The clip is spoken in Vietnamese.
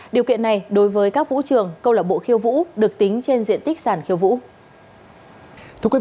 điều kiện này đối với các vũ trường câu lạc bộ khiêu vũ được tính trên diện tích sản khiêu vũ